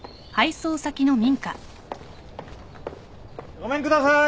ごめんください。